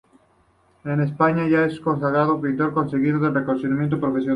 En España, ya es un consagrado pintor y ha conseguido el reconocimiento profesional.